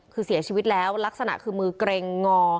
คือเสียชีวิตแล้วลักษณะคือมือเกร็งงอ